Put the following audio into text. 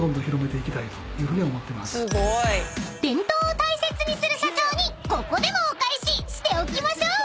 ［伝統を大切にする社長にここでもお返ししておきましょう］